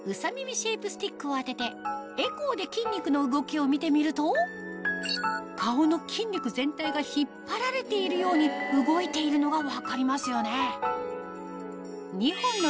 シェイプスティックを当ててエコーで筋肉の動きを見てみると顔の筋肉全体が引っ張られているように動いているのが分かりますよね